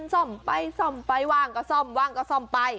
ซ่อมไปซ่อมไปว่างก็ซ่อมว่างก็ซ่อมไป